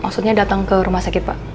maksudnya datang ke rumah sakit pak